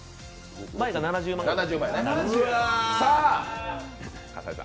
前が７０万ぐらい。